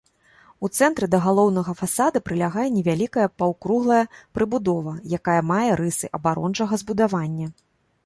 У цэнтры да галоўнага фасада прылягае невялікая паўкруглая прыбудова, якая мае рысы абарончага збудавання.